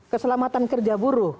keselamatan kerja buruh